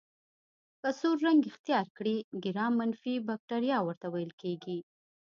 که سور رنګ اختیار کړي ګرام منفي بکټریا ورته ویل کیږي.